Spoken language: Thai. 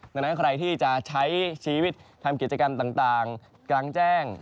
ดังนั้นใครที่จะใช้ชีวิตทำกิจกรรมต่างกลางแจ้ง